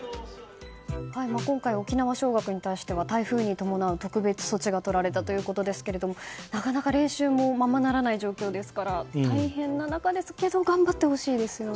今回、沖縄尚学に対しては台風に伴う特別措置が取られたということですけどもなかなか練習もままならない状況ですから大変な中ですが頑張ってほしいですね。